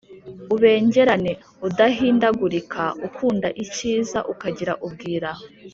ubengerana, udahindagurika, ukunda icyiza, ukagira ubwira,